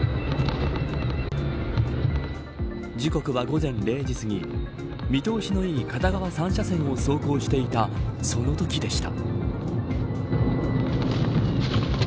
時刻は午前０時すぎ見通しのいい片側３車線を走行していたそのときでした。